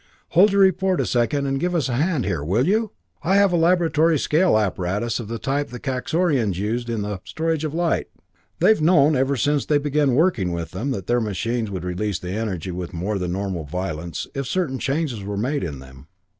"Hold your report a second and give us a hand here, will you? I have a laboratory scale apparatus of the type the Kaxorians used in the storage of light. They've known, ever since they began working with them, that their machines would release the energy with more than normal violence, if certain changes were made in them.